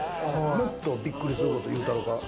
もっとびっくりすること言うたろか。